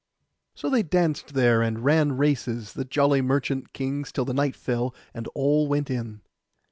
So they danced there and ran races, the jolly merchant kings, till the night fell, and all went in.